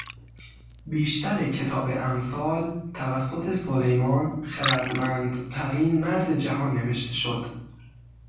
بیشتر کتاب امثال توسط سلیمان خردمندترین مرد جهان نوشته شد